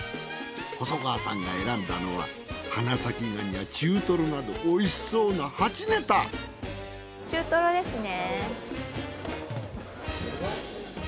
細川さんが選んだのは花咲蟹や中とろなどおいしそうな８ネタ中とろですね。